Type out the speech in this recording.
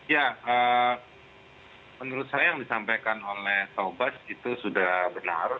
ya menurut saya yang disampaikan oleh taubas itu sudah benar